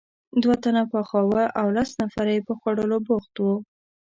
دوه تنه پخاوه او لس نفره یې په خوړلو بوخت وو.